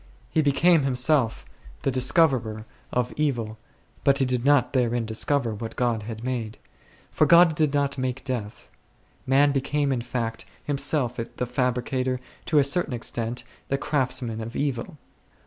He became him self the discoverer of evil, but he did not there in discover what God had made ; for God did not make death. Man became, in fact, himself the fabricator, to a certain extent, and the craftsman of evil.